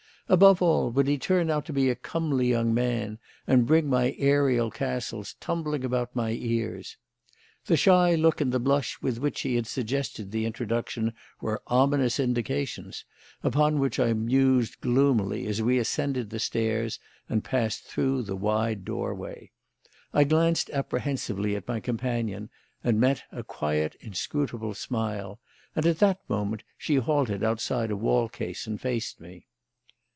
Above all, would he turn out to be a comely young man, and bring my aerial castles tumbling about my ears? The shy look and the blush with which she had suggested the introduction were ominous indications, upon which I mused gloomily as we ascended the stairs and passed through the wide doorway. I glanced apprehensively at my companion, and met a quiet, inscrutable smile; and at that moment she halted outside a wall case and faced me.